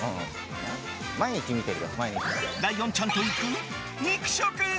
毎日見てるよ。